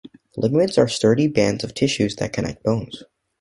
Ligaments are sturdy bands of tissues that connect bones.